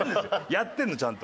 やってるのちゃんと。